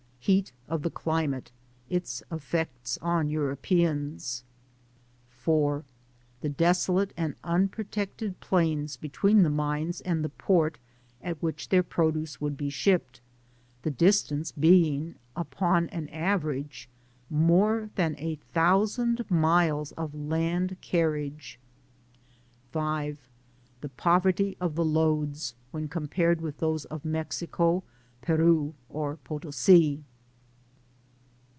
Heat of the climate ; its effects on Europeans. Digitized byGoogk MINING IN SOUTH AMERICA. S79 4. The desolate and unprotected plains between the mines and the port at which their produce would be shipped; the distance being, upon an average^ more than a thousand miles of land car*^ riage. & The poverty of the lodes, when compared with those of Mexico, Peru, or Potosi.